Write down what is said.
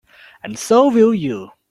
And so will you.